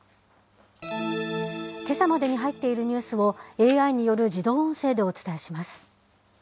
けさまでに入っているニュースを、ＡＩによる自動音声でお伝えしま